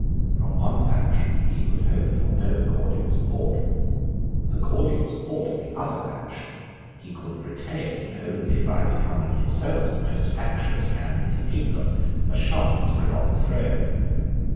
From one faction he could hope for no cordial support. The cordial support of the other faction he could retain only by becoming himself the most factious man in his kingdom, a Shaftesbury on the throne.